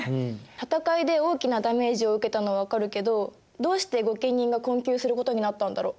戦いで大きなダメージを受けたのは分かるけどどうして御家人が困窮することになったんだろう。